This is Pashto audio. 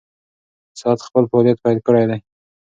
ساعت خپل فعالیت پیل کړی دی.